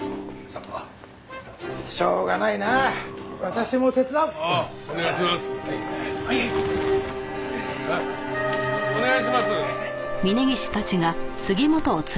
ああお願いします。